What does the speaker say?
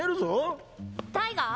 タイガー。